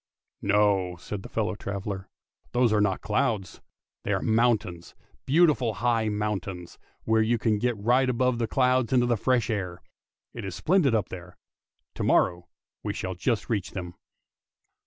" No," said his fellow traveller, " those are not clouds, they are mountains, beautiful high mountains, where you can get right above the clouds into the fresh air. It is splendid up there! To morrow we shall just reach them."